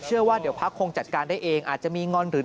ว่าเดี๋ยวพักคงจัดการได้เองอาจจะมีงอนหรือ